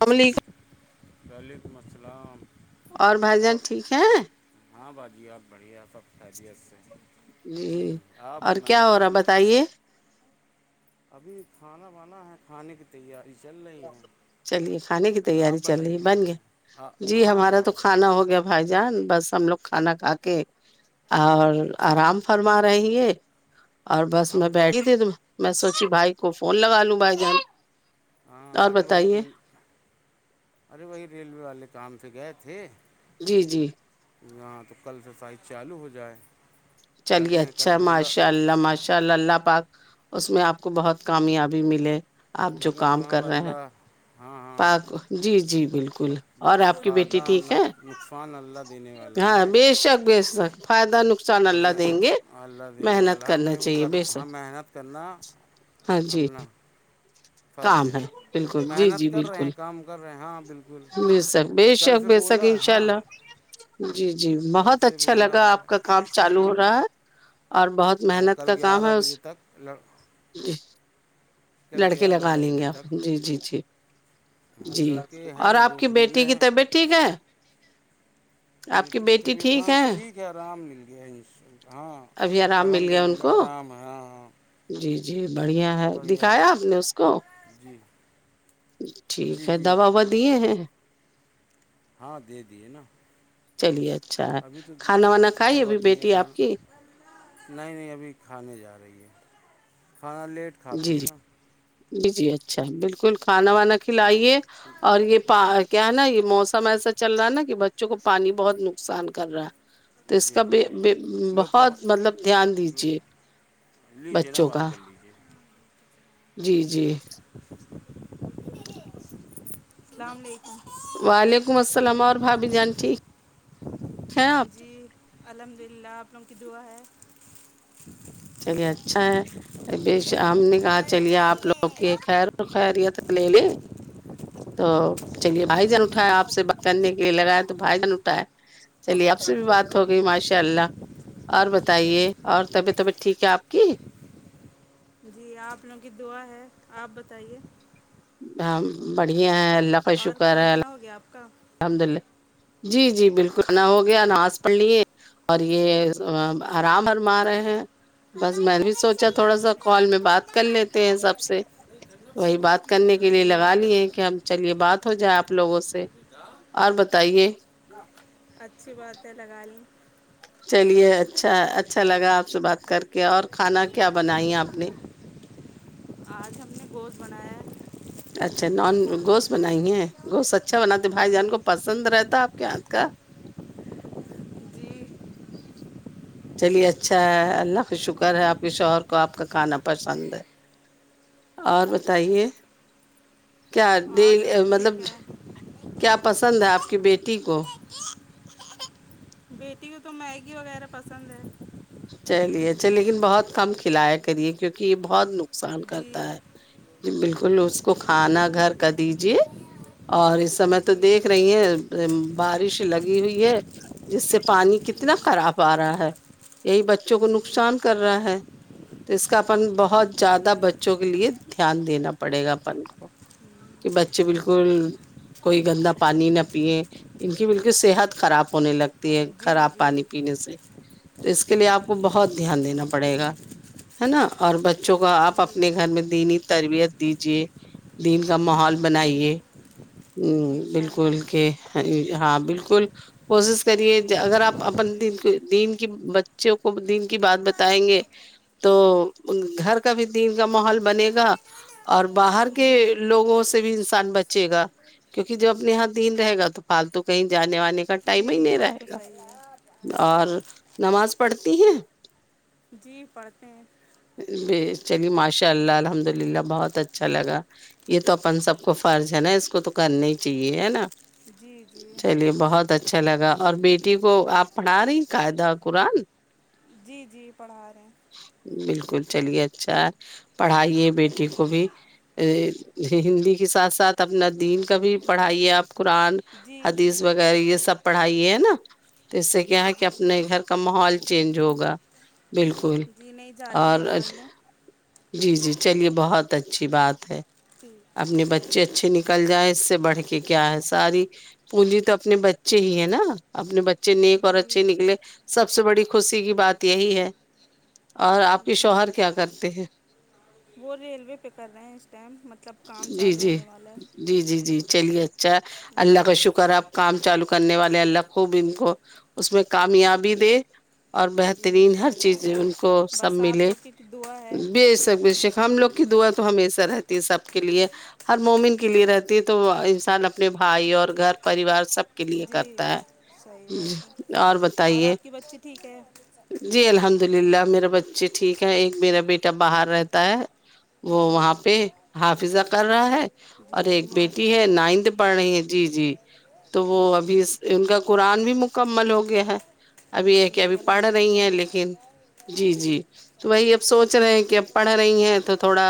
عملی وعلیکم السلام اور بھائی جان ٹھیک ہیں ہاں باجی آپ بڑھیا سب قییدیت سے جی آپ اور کیا سنائیں ہو رہا بتائیے ابھی کھانا بانا ہے کھانے کی تیاری چل رہی ہے چلیے کھانے کی تیاری آپ چل رہی بتائیے بن گیا ہاں جی ہاں ہمارا ہاں تو کھانا ہو گیا بھائی جان بس ہم لوگ کھانا کھا کے اور اچھا آرام فرما رہے ہیں اور بس میں ہم تھوڑا بیٹھی د ت میں سوچی بھائی کو فون لگ لوں بھائی جان ہاں اور ارے وہی بتائیے ریل ارے وہی ریلوے والے کام سے گئے تھے جی جی یہاں تو کل سے سائ چالو ہو جائے چلیے لگے ہیں کل اچھا بولا ماشاء اللہ ماشاء اللہ اللہ پاک اس میں آپ کو بہت کامیابی ملے آپ جو لگے تو کام ہاں کر رہے ہیں اللہ ہاں ہاں پاک جی جی بالکل اب اور آپ کی بیٹی فائدہ ٹھیک ہے نقصان اللہ دینے والا ہاں ہے بے شک بے شک فائدہ نقصان اب اللہ جو دیں گے اللہ دینے محنت والا ہے کرنا اپنے کو چاہیے کر بے ہاں شک محنت کرنا ہاں جی اپنا فرض کام ہے تو بالکل جی جی محنت کر رہے بالکل ہیں کام کر رہے ہیں ہاں بالکل بے شک بے کل شک سے بے شک بولا انشاء ہاں اللہ جی جی کل بہت سے اچھا بولا لگا ہے آپ کا کام چالو ہو رہا ہے اور بہت ہاں محنت کل کا کام گیارہ ہے اس بجے تک لڑ ج کل لڑکے لگا گیارہ لیں بجے گے آپ تک جی جی جی ہاں جی لڑکے اور ہیں آپ دو کی ٹھو ملے بیٹی کی ہیں طبیعت ٹھیک ہے آپ بیٹٹی کی بیٹی طبیعت ہ ہے ٹھیک آرام مل گیا ہاں ابھی انش آرام مل الحمد گیا ان للہ کو آرام ہاں ہاں جی جی بڑھیا ہے بڑھیا دکھایا آپ نے اس کو جی ٹھیک جی ہے جی دوا وا دیے ہیں ہاں دے دیے چلیے اچھا ہے ابھی تو کھانا ہا وانا کھائی دوا ابھی دیے بیٹی نہ آپ کی نہیں نہیں ابھی کھانے جا رہی ہے کھانا لیٹ کھاتی جی ہے جی نا جی جی اچھا بالکل کھانا وانا ہاں کھلائیے اور یہا پا کیا ہے نا یہ موسم ایسا چل رہا ہے نا کہ بچوں کو پانی بہت نقصان کر رہا ہے تو اس جی کا لو تھوڑا بہت مطلب دھیان دیجیے لیجیے نا بچوں بات کا کر لیجیے جی جی اسلملیکم وعلیکم السلام اور بھابھی جان ٹھیک ہے آپ جی الحمداللہ آپ لوگوں کی دعا ہے چلیے اچھا ہے ابی شام نہ کھانا چلیے آپ چاہیے لوگو کے گھر خیریت لیلے تو چلیے بھائی جان جی اٹھائے آپ سے بات کرنے کےے لگاائے تو بھائی جان اٹھائے چلیے آپ سے بھی بات ہوگئی ماشاء اللہ اور بتائیے اور طبیعت ٹھیک ہے آپ کی جی آپ لوگوں کی دعا ہے آپ بتائیے ہ بڑھیا ہے اللہ کا اور شکر ہے کھانا نہ اللہ ہو گیا آپ کا الحمد للہ جی جی بالکل کھانا ھوگیا نماز پرلیایہ اور یہ جی آرام برما رہے ہیں بس ہماری میں بھی طبیعت سوچا صحیح تھوڑا ہوگی سا تو کال ہم میں بات ٹھنڈا کر پانی لیتے ہیں پینے سب لگے سے وہی بات جی کرنے کے لیے لگا لیے کہ ہم چلیے بات ہو جائے آپ لوگوں سے کیا اور بتائیے اچھی باتیں لگا لی چلیے اچھا اچھا لگا آپ سے بات کر کے اور امی کھانا نے کیا پیوتی بنائی آپ نے پاپا آج ہم نے بہت بنایا اچھا نان پاپا گوشت بنائی ہیں کا گوشت اچھا بناتے تو بھائی دے جان کو دو پسند رہتا آپ کے ہاتھ کا جی چلیے اچھا ہے اللہ کا شکر ہے آپ کے شوہر کو آپ کا کھانا پسند ہے اور بتائیے کیا اور ڈیلی سب مطلب ٹھیک ہے کیا پسند ہے آپ کی بیٹی کو بیٹی کو تو میگی وغیرہ پسند ہے چلیے اچھا لیکن بہت کم کھلایا کریے کیونکہ یہ بہت نقصان جی کرتا ہے جی بالکل اس کو جی کھانا گھر کا دیجے اور اس جی سمے تو جی دیکھ رہی ہیں بارش لگی ہوئی ہے جس سے پانی جی کتنا خراب آ رہا ہے یہی بچوں کو جی نقصان کر رہا ہے تو اس کا اپن بہت زیادہ بچوں کے لیے دھیان دینا پڑے گا اپن کو کہ بچے بالکل کوئی گندا پانی نہ پیئے ان کی بالک صحت خراب ہونے لگ جی خراب جی پانی پینے سے تو اس کے لیے آپ کو بہت دھیان دینا پڑے گا ہے نا اور جی بچوں کو آپ اپنے گھر میں دینی تربیت دیجے دن کا ماحول جی بنائیے ہ انشاء بالکل اللہ کہ ہاں بالکل کوشش کریے اگر آپ اپ کو دین بچوں کو دن کی بات کھانے بتائیں گے دے دو تو ان گھر کا بھی دین کا ماحول بنے گا کھانے دو نا اور باہر امی کے جی جی لوگوں سے بھی انسان بچے سمجھ گا گئی کیونکہ جو اپنے یہاں دین رہے گا تو پالتو کہیں جانے والانے اس کا جی ٹائم ہی یہ نہیں بات تو رہے صحیح ہے گا اور نماز پڑھتی ہیں جی پڑھتے ہیں چلیے ماشاء اللہ الحمد للہ بہت اچھا لگا یہ تو اپن سب کو فرض ہے نا اس کو تو کرنا ہی چاہیے ہے نا جی جی چلیے بہت اچھا لگا اور بیٹی کو آپ پڑھا رہی قاعدہ قرآن جی جی پڑھا رہے ہیں بالکل چلیے اچھا ہے پڑھائیے بیٹی کو بھی ا ہندی کے ساتھ ساتھ اپنا دین کا بھی پڑھائیے آپ قرآن جی حدیث جی وغیرہ یہ سب پڑھائی ہے نا تو اس سے کیا ہے کہ جی اپنے گھر کا ماحول چینج ہوگا بالکل جی نہیں جاتی اور ہے پڑھنے جی جی چلیے بہت اچھی بات ہے جی اپنے بچے اچھے نکل جائ اس سے بڑھ کے کیا ہے ساری پونجی تو اپنے بچے ہی ہے نا اپنے بچے نیک اور جی اچھے نکلے سب سے بڑی خوشی کی بات یہی ہے اور آپ کے جی شوہر کیا کرتے ہیں وہ ریلوے پہ کر رہے ہیں اس ٹائم مطلب کام جی چالو جی ہونے والا ہے جی جی جی چلیے ا اچھا اللہ کا جی شکر آپ کام چالو کرنے والے اللہ خوب ان کو اس میں کامیابی دے اور جی بہترین انشاء ہر چیز اللہ ان کو سب بس آپ ملے لوگ کی دعا ہے بے شک بے شک ہم لوگ کی دعا تو ہمیشہ رہتی ہے سب کے لیے ہر جی مومن کے لیے رہتی ہے تو انسان اپنے بھائی اور گھر پریوار سب کے لیے جی کرتا ہے اور بتائیے بچے ٹھیک ہے جی الحمد للہ میرا بچے ٹھیک ہے ایک میرا بیٹا باہر رہتا ہے وہ جی وہاں پہ حافظہ کر رہا ہے جی اور ایک ماشاء بیٹی ہے اللہ نائنتھ پڑھ رہی ہے جی جی تو وہ جی ابھی ان کا قرآن بھی مکمل ہو گیا ہے ابھی یہ جی کہ ابھی پڑھ الحمد رہی للہ ہیں لیکن جی جی تو وہی اب سوچ رہے ہیں کہ اب پڑھ رہی ہیں تو تھوڑا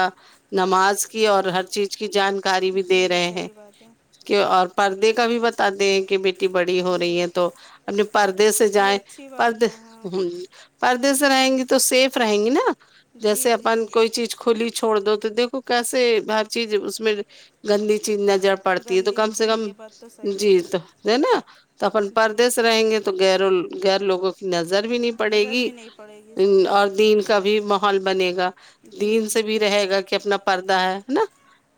نماز کی اور ہر چیز کی جانکاری بھی جی دے رہے ہیں صحیح بات ہیں کہ اور پردے کا بھی بتاتے ہیں کہ بیٹی بڑی ہو رہی جی ہے تو اپنے پردے سے جی جائیں اچھی بات پردے ہے ہاں ہ پردے سے رہیں گی تو سیف رہیں گی نا جی جیسے جی اپن کوئی چیز کھلی چھوڑ دو تو دیکھو کیسے ہر چیز اس میں گندی چیز ن جر پڑتی ہے تو گندی کم جی سے کم یہ بات تو صحیح جی ہے تو ہے نا تو اپن جی پردی سے رہیں گے تو تو غیروں غیر لوگوں کی نظر بھی نہیں پڑے نظر گی بھی نہیں پڑے گی صحیح اور بات دین کا بھی ماحول بنے گا جی دین سے بھی رہے گا کہ اپنا پردہ ہے ہے نا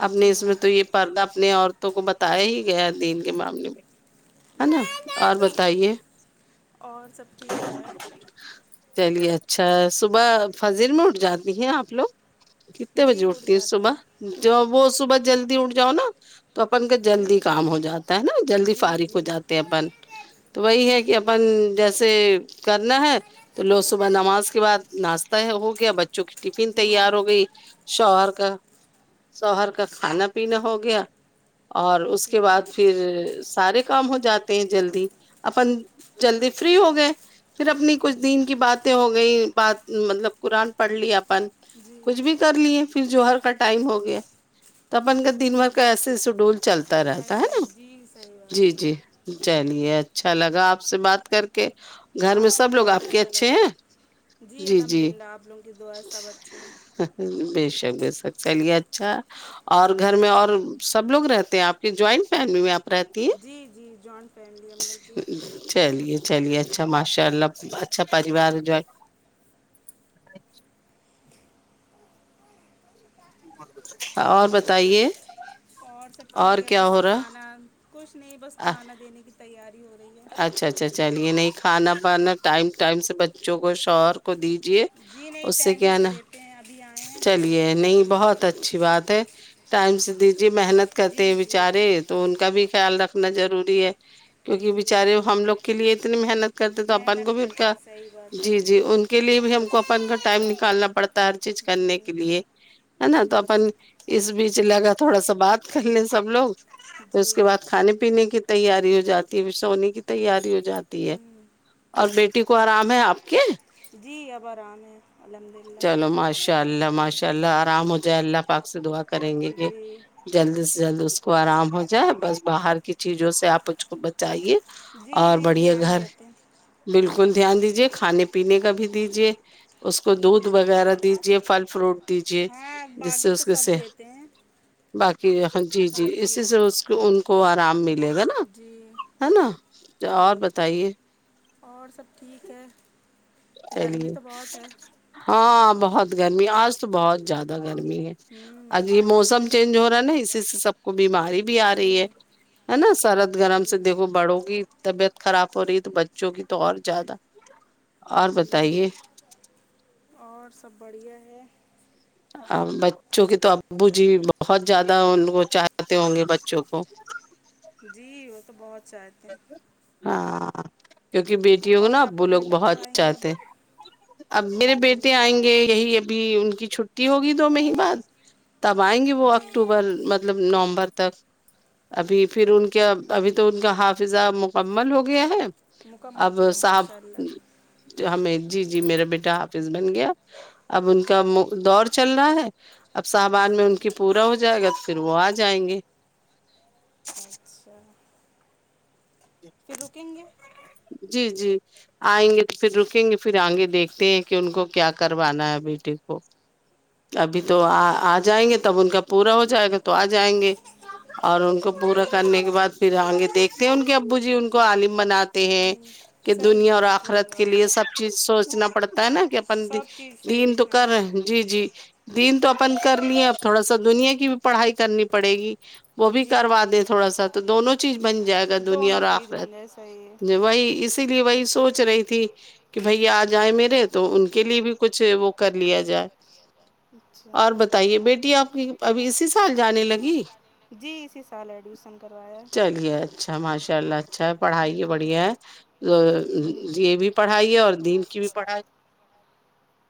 اپنے جی اس میں تو یہ جی پردہ اپنے عورتوں کو بتایا ہی گیا دین کے معاملے میں ہے نا اور جی بتائیے اور سب ٹھیک ہے چلیے اچھا صبح فضل میں اٹھ جاتی ہیں آپ لوگ کتنے بجے جی اٹھ اٹھتی ہے جاتے صبح ہیں ج وہ صبح جلدی اٹھ جاؤ نا تو اپن کا جی جلدی کام ہو جاتا ہے نا جلدی جی فارغ ہو جی جاتے ہیں اپن تو وہی ہے کہ جی اپن جیسے کرنا ہے تو لوگ صبح نماز کے بعد ناشتہ ہو گیا بچوں کی ٹفن جی تیار ہو گئی شوہر کا شوہر کا کھانا پینا ہو گیا اور اس جی کے بعد پھر سارے کام ہو جاتے ہیں جلدی اپن جلدی فری ہو گئے پھر اپنی کچھ جی دن کی باتیں ہو گئی بات مطلب قرآن پڑھ لی اپن جی کچھ بھی کر لیے پھر جوہر کا ٹائم ہو گیا تو اپن کا دن بھر کا ایسے سڈول چلتا رہتا ہے ایسا نا ہی جی صحیح جی بات جی چلیے اچھا لگا آپ سے بات کر کے کہ گھر میں آپ سے بھی سب لوگ بہت آپ کے اچھا اچھے لگا ہیں جی الحمد للہ آپ لوگوں کے دعا سب اچھے ہیں بیشک بیشک چلیے اچھا اور گھر میں اور سب لوگ رہتے ہیں آپ کے جوائنٹ فیملی میں آپ رہتی ہیں جی جی جوائنٹ فیملی ہم لوگ کی چلیے چلیے اچھا ماشاء اللہ اچھا پریوار جو اور بتائیے اور سب اور ٹھیک ہے کیا بس ہو رہا کھانا کچھ نہیں بس کھانا دینے کی تیاری ہو رہی ہے اچھا اچھا چلیے نہیں کھانا پانا ٹائم ٹائم سے بچوں کو شوہر کو دیجیے جی نہیں اس ٹیم ہی کیا سے نا دیتے ہیں ابھی آئے ہیں تو چلیے نہیں ابھی بہت اچھی بات ہے ٹائم سے دیجیے محنت کرتے جی ہیں جی بیچارے تو ان کا بھی خیال رکھنا ضروری ہے کیونکہ جی بچارے ہم لوگ کے لیے اتنی محنت کرتے تو اپن کو محنت بھی ان کرتے کا ہیں صحیح بات ہے جی جی ان کے لیے بھی ہم کو اپن کا ٹائم نکالنا پڑتا ہے ہر چیز جی کرنے کے لیے ہے نا تو جی اپن اس بیچ لگا تھوڑا سا بات کر لیں سب لوگ پھر اس جی کے بعد کھانے پینے کی تیاری ہو جاتی ہے سونے کی تیاری ہو جاتی ہے ہوں اور بیٹی کو آرام ہے آپ کے جی اب آرام ہیں الحمد للہ یا اللہ ماشاء اللہ آرام ہو جائے اللہ پاک سے دعا کریں گے یہ جی جلدی سے جلد اس کو آرام ہو جائے بس باہر کی چیزوں سے آپ اس کو بچائیے جی اور نہیں بڑھیا دھیان گھر دیتے ہیں بالکل دھیان دیجے کھانے پینے کا بھی دیجے اس کو دودھ جی وغیرہ دی جی وہ پھل فروٹ دیجیے ہاں جس باقی سے تو اس سب کے دیتے ہیں باقی ہاں جی جی کھاتی اسی ہے سے اس ان کو آرام ملے گا نا جی ہے نا اور جی بتائیے اور سب ٹھیک ہے گرمی چلیے تو بہت ہے ہاں بہت گرمی آج تو بہت زیادہ گرمی ہے ہوں اج یہ موسم چینج ہو رہا ہے نا اسی سے سب کو بیماری بھی آ رہی جی ہے ہینا سرد گرم سے جی دیکھو بڑو کی طبیعت خراب ہو رہی ہے تو بچوں کی تو اور زیادہ اور جی بتائیے اور سب بڑھیا ہے ا بچوں کے تو ابو جی بہت زیادہ ان کو چاہتے ہوں گے بچوں کو جی وہ تو بہت چاہتے ہیں ہاں کیونکہ بیٹی کیوں ںا اور آپ اببو کا لوگ بیٹا کب بہت آئیں گے چاہتے اب ہیں اب میرے جی بیٹے آئیں گے یہی ابھی ان کی چھٹی ہوگی دو مہی بعد تب آئیں گے وہ جی اکتوبر مطلب نومبر تک ابھی پھر ان کے ابھی تو ان کا ہاف فزا مکمل ہو گیا ہے مکمل اب چلو صاب ماشاء اللہ ہمیں جی جی میرا بیٹا آافس بن گیا اب ان کا جی دور چل رہا ہے اب صاحبان جی میں ان کی پورا ہو جائے گا تو پھر وہ آ جائیں گے اچھا پھر رکیں گے جی جی آئیں گے تو پھر رکیں گے پھر آئ گے دیکھتے ہیں کہ ان کو کیا کروانا ہے بیٹے کو ابھی تو آ اچھا آ جائیں گے تب ان کا پورا ہو جائے گا تو آ جائیں گے اور ان کو جی پورا کرنے کے بعد پھر آیں گے دیکھتے ہیں ان کے ابو جی ان کو عالم بنا تے ہیں ہوں کہ صحیح دنیا اور ہے، جی آخرت کے اور لیے کیا سب چیز سوچنا پڑتا ہے نا کہ سب چیز دین صحیح تو کر رہے ہیں ہاں جی جی دین تو اپن کر لیے اب تھوڑا سا دنیا کی بھی پڑھائی کرنی پڑے گی وہ بھی جی کروا دیں تھوڑا سا تو دونوں چیز بن جائے گا دنیا اور دونوں چیز آخرت بن جائے صحیح ہے ج وہی اسی لیے وہی سوچ رہی تھی کہ بھائی آ جائے میرے تو ان کے لیے بھی کچھ وہ کر لیا جائے اچھا اور بتائیے بیٹی آپ کی ابھی اسی سال جانے لگی جی اسی سال ایڈمیسن کروایا ہے چلیے اچھا ماشاء اللہ اچھا ہے پڑھائی یہ بڑھیا ہے جی یہ بھی پڑھائی ہے اور دین کی بھی پڑھائی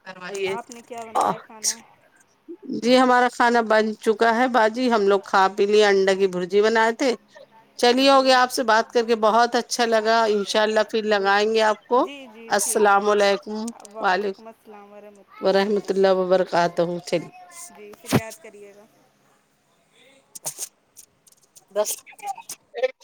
کروائیے آپ نے کیا بنایا کھانا جی ہمارا کھانا بن چکا ہے باجی ہم لوگ کھا پی لیے انڈا کی برجی بنائے تھے جی چلیے آپ سے بات کر کے بہت اچھا لگا ان شاء اللہ پھر جی لگائیں گے آپ کو جی جی ٹھیک السلام ہے علیکم ہ وعلیکم السلام ورحمۃ اللہ وورحمۃ اللہ وبرکاتہ وبرکاتہ چلیے جی پھر یاد کریے گا بس